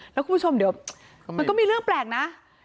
แล้วคุณผู้ชมเดี๋ยวมันก็มีเรื่องแปลกนะ